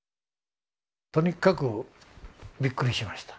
とにかくびっくりしました。